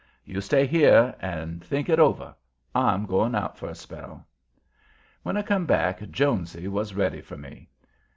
You stay here and think it over. I'm going out for a spell." When I come back Jonesy was ready for me.